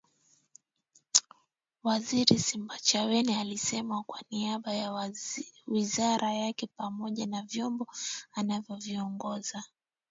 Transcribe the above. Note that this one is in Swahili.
Waziri Simbachawene alisema kwa niaba ya Wizara yake pamoja na vyombo anavyoviongoza